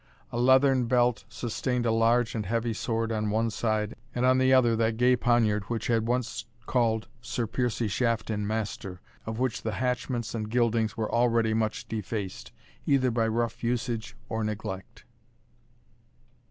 A leathern belt sustained a large and heavy sword on one side, and on the other that gay poniard which had once called Sir Piercie Shafton master, of which the hatchments and gildings were already much defaced, either by rough usage or neglect.